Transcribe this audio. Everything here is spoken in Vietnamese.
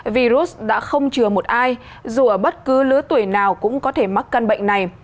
virus đã không chừa một ai dù ở bất cứ lứa tuổi nào cũng có thể mắc căn bệnh này